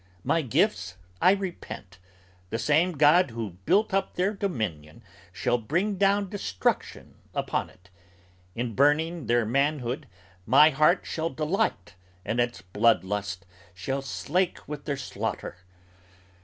My Gifts I repent! The same God who built up their dominion Shall bring down destruction upon it. In burning their manhood My heart shall delight and its blood lust shall slake with their slaughter.